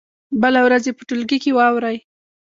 بله ورځ یې په ټولګي کې واوروئ.